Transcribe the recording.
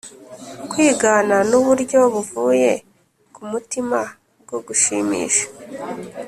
kwigana nuburyo buvuye ku mutima bwo gushimisha